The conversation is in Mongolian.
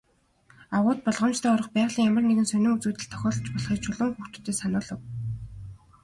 Агуйд болгоомжтой орох, байгалийн ямар нэгэн сонин үзэгдэл тохиолдож болохыг Чулуун хүүхдүүдэд сануулав.